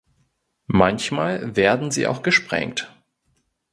Manchmal werden sie auch gesprengt.